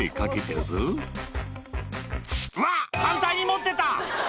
「うわ反対に持ってた！」